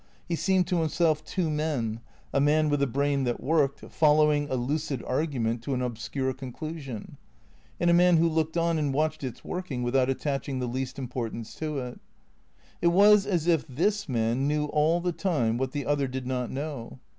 He seemed to himself two men, a man with a brain that worked, following a lucid argument to an obscure conclusion, and a man who looked on and watched its working without attaching the least impor tance to it. It was as if this man knew all the time what the other did not know.